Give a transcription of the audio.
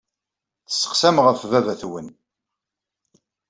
Tesseqsam ɣef baba-twen.